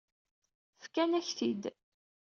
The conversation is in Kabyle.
Fkan-ak-t-id.